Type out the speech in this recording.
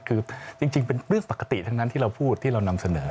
คือจริงเป็นเรื่องปกติทั้งนั้นที่เราพูดที่เรานำเสนอ